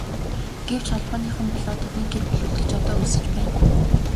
Гэвч Холбооныхон болоод тэдний гэр бүл үлдэж одоо өлсөж байна.